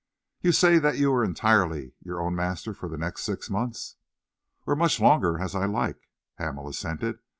"You say that you are entirely your own master for the next six months?" "Or as much longer as I like," Hamel assented.